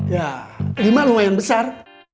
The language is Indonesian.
ya lima lumayan besar